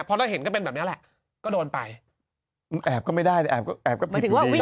เพราะถ้าเห็นก็เป็นแบบเนี้ยแหละก็โดนไปแอบก็ไม่ได้แอบก็แอบก็ผิด